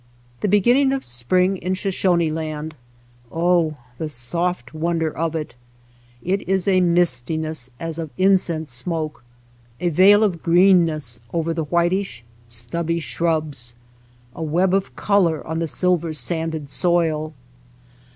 The begin ning of spring in Shoshone Land — oh the soft wonder of it! — is a mistiness as of incense smoke, a veil of afreenness over the whitish stubby shrubs, a web of color on the silver sanded soil.